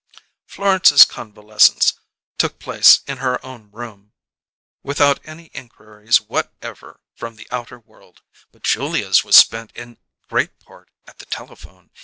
Florence's convalescence took place in her own home without any inquiries whatever from the outer world, but Julia's was spent in great part at the telephone.